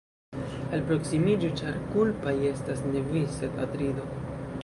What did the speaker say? Alproksimiĝu, ĉar kulpaj estas ne vi, sed Atrido.